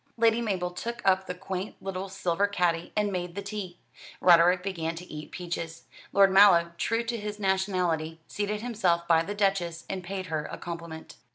Lady Mabel took up the quaint little silver caddy and made the tea. Roderick began to eat peaches. Lord Mallow, true to his nationality, seated himself by the Duchess, and paid her a compliment.